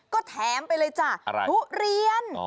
ก็แถมไปเลยจ้ะอะไรทุเรียน